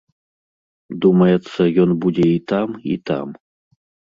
Думаецца, ён будзе і там, і там.